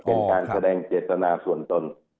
เป็นการแสดงเจตนาส่วนตน